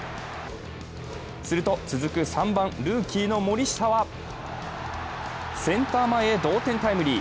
すると、続く３番、ルーキーの森下はセンター前へ同点タイムリー。